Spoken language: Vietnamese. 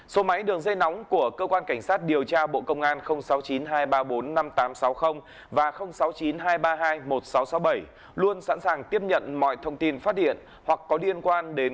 số máy đường dây nóng của cơ quan cảnh sát điều tra bộ công an sáu mươi chín hai trăm ba mươi bốn năm nghìn tám trăm sáu mươi và sáu mươi chín hai trăm ba mươi hai một nghìn sáu trăm sáu mươi bảy luôn sẵn sàng tiếp nhận mọi thông tin phát điện hoặc có liên quan đến